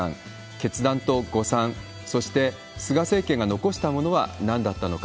決断と誤算、そして菅政権が残したものはなんだったのか。